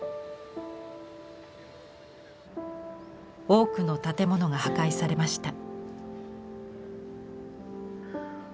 多くの建物が破壊されました。